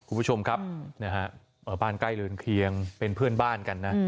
คุณผู้ชมครับบ้านใกล้เรือนเคียงเป็นเพื่อนบ้านกันนะ